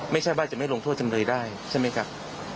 ไม่ใช่ว่าจะไม่ลงโทษจำเลยได้ใช่ไหมครับ